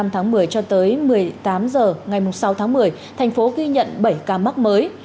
năm tháng một mươi cho tới một mươi tám h ngày sáu tháng một mươi tp hcm ghi nhận bảy ca mắc mới